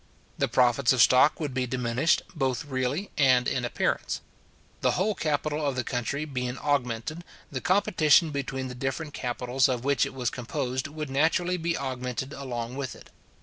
The profits of stock would be diminished, both really and in appearance. The whole capital of the country being augmented, the competition between the different capitals of which it was composed would naturally be augmented along with it.